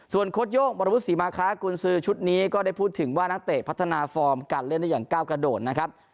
โค้ดโย่งวรวุฒิศรีมาคะกุญสือชุดนี้ก็ได้พูดถึงว่านักเตะพัฒนาฟอร์มการเล่นได้อย่างก้าวกระโดดนะครับ